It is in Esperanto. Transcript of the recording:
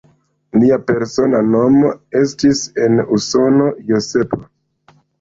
Lia persona nomo estis en Usono "Joseph".